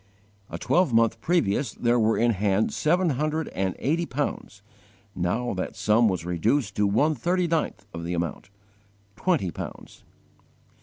A twelvemonth previous there were in hand seven hundred and eighty pounds; now that sum was reduced to one thirty ninth of the amount twenty pounds.